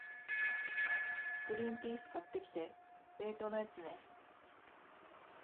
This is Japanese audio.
グリンピース買ってきて、冷凍のやつね。